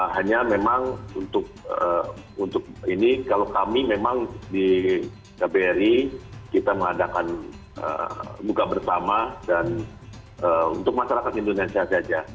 hanya memang untuk ini kalau kami memang di kbri kita mengadakan buka bersama dan untuk masyarakat indonesia saja